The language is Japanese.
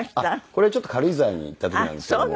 これちょっと軽井沢に行った時なんですけども。